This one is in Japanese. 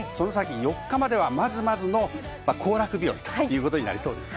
４日までは、まずまずの行楽日和になりそうです。